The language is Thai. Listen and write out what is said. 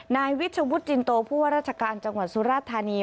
นายวิชวุฒิจินโตผู้ว่าราชการจังหวัดสุราธานี